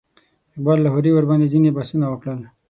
اقبال لاهوري ورباندې ځینې بحثونه وکړل.